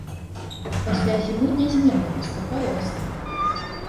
Пасля зімы нязменна наступае вясна.